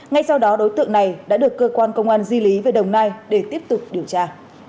ngay sau đó đối tượng này đã được cơ quan công an di lý về đồng nai để tiếp tục điều tra